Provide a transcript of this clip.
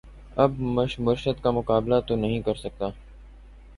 اب مرشد کا مقابلہ تو نہیں کر سکتا